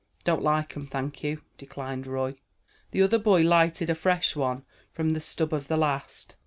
"Don't like 'em, thank you," declined Roy. The other boy lighted a fresh one from the stub of the last.